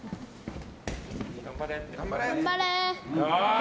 頑張れ！